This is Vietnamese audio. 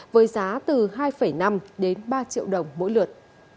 với giá từ hai năm đến ba triệu đồng mỗi lượt